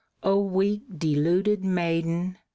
"O weak, deluded maiden!